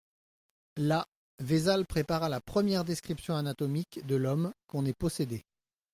Là, Vésale prépara la première description anatomique de l'homme qu'on ait possédée.